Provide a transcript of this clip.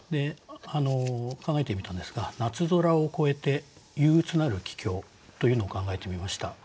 考えてみたんですが「夏空を越えて憂鬱なる帰京」というのを考えてみました。